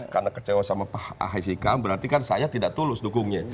karena kecewa sama pak ahasika berarti kan saya tidak tulus dukungnya